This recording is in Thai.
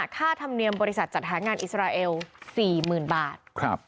ค่าธรรมเนียมบริษัทจัดหางานอิสราเอล๔๐๐๐บาท